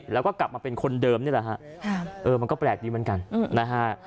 แล้วก็กลับมาเป็นคนเดิมนี่แหละฮะเออมันก็แปลกดีเหมือนกันนะฮะ